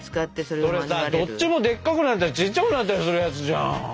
それどっちもでっかくなったりちっちゃくなったりするやつじゃん！